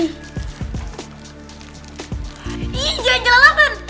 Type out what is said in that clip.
ih jangan celah banget